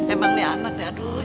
emang nih anaknya aduh